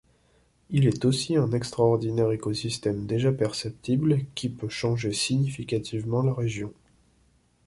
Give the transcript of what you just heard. Il est aussi un extraordinaire écosystème déjà perceptible, qui peut changer significativement la région.